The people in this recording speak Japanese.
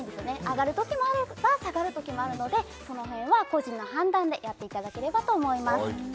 上がる時もあれば下がる時もあるのでその辺は個人の判断でやっていただければと思います